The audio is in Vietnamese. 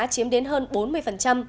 chiếm đến hơn bốn mươi